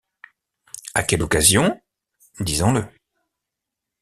À quelle occasion? disons-le.